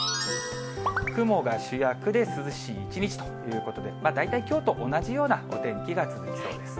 雲が主役で涼しい一日ということで、大体きょうと同じようなお天気が続きそうです。